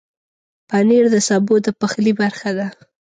پنېر د سبو د پخلي برخه ده.